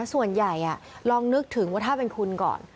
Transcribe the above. ส่วนใหญ่ลองนึกถึงว่าถ้าเป็นคุณก่อน